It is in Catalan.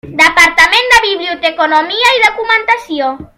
Departament de Biblioteconomia i Documentació.